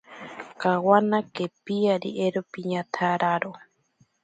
Kawana kepiyari ero piñatsararo.